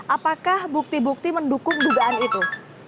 apakah bukti bukti mendukung dugaan itu